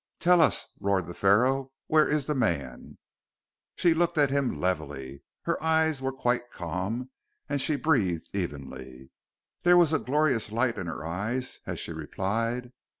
"Tell us!" roared the Pharaoh. "Where is the man?" She looked at him levelly. Her eyes were quite calm, and she breathed evenly. There was a glorious light in her eyes as she replied.